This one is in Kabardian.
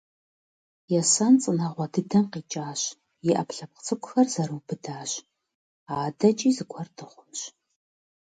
Есэн цӀынэгъуэ дыдэм къикӀащ, и Ӏэпкълъэпкъ цӀыкӀухэр зэрыубыдащ. АдэкӀи зыгуэр дыхъунщ.